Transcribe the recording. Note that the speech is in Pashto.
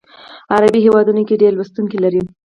عربي هیوادونو کې ډیر لوستونکي لري.